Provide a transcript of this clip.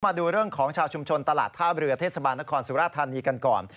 มาดูเรื่องของชาวชุมชนตลาดท่าเรือเทศบาลนครสุราธานีกันก่อน